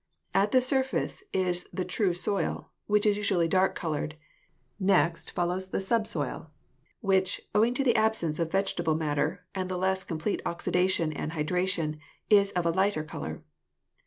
At the surface is the true soil, which is usually dark colored; next follows the subsoil, which, owing to the absence of vegetable matter and the less complete oxidation and hydration, is of a lighter color.